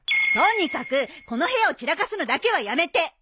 とにかくこの部屋を散らかすのだけはやめて。